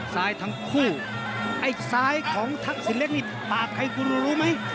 ซ้ายทั้งคู่ไอ้ซ้ายของทักษิตเล็กนี่ปากไทยวู้รู้มั้ย